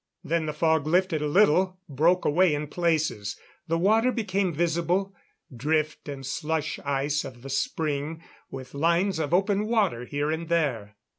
Then the fog lifted a little, broke away in places. The water became visible drift and slush ice of the Spring, with lines of open water here and there.